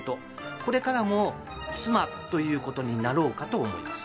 これからも「妻」ということになろうかと思います。